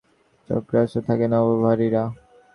Sci fi মুভিতে দেখেছেন নিশ্চয়ই, ক্রায়োস্লিপে থাকে নভোভারীরা।